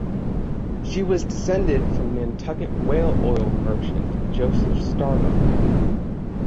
She was descended from Nantucket whale oil merchant Joseph Starbuck.